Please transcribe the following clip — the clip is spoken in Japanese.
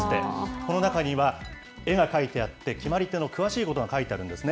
この中には絵が描いてあって、決まり手の詳しいことが書いてあるんですね。